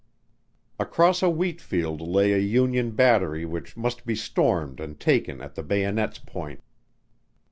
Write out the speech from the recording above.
Across a wheat field lay a Union battery which must be stormed and taken at the bayonet's point.